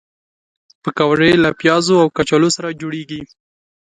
پکورې له پیازو او کچالو سره جوړېږي